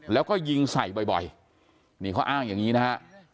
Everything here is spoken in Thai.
แล้วก็ยิงใส่บ่อยนี่เขาอ้างอย่างนี้นะฮะ